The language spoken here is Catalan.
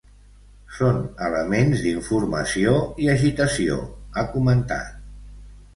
Són elements d’informació i agitació, ha comentat.